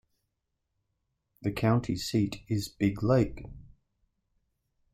The county seat is Big Lake.